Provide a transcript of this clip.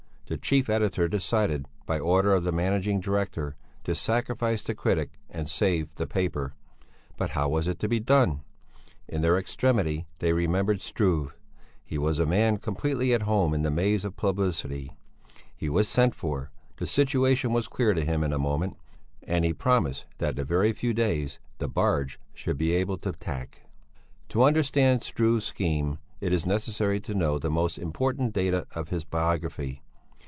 The chief editor decided, by order of the managing director, to sacrifice the critic and save the paper. But how was it to be done? In their extremity they remembered Struve. He was a man completely at home in the maze of publicity. He was sent for. The situation was clear to him in a moment, and he promised that in a very few days the barge should be able to tack. To understand Struve's scheme, it is necessary to know the most important data of his biography.